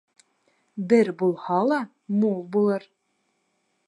Бер булһа ла мул булыр.